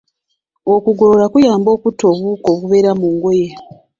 Okugolola kuyamba okutta obuwuka obubeera mu ngoye.